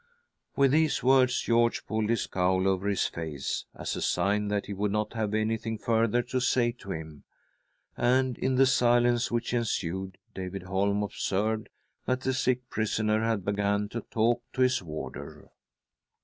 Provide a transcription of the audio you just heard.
With these words George pulled hjs cowl over his face as a sign that he would not have anything further to say "to him, and, in the silence' which ensued, David Holm observed that the sigk prisoner had begun to talk to his warder.